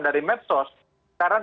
dari medsos sekarang